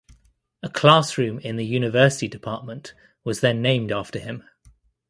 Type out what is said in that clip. A classroom in the university department was then named after him.